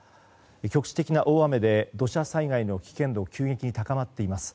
局地的な大雨で土砂災害の危険度急激に高まっています。